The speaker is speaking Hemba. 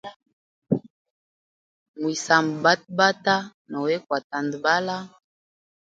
Mwisambe batabata nowe kwa tandabala.